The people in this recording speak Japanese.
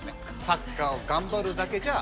サッカーを頑張るだけじゃ